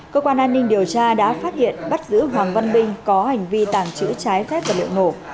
cơ quan an ninh điều tra đã phát hiện bắt giữ hoàng văn binh có hành vi tàng chữ trái phép và liệu nổ